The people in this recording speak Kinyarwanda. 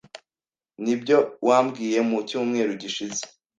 Nibyo wambwiye mu cyumweru gishize.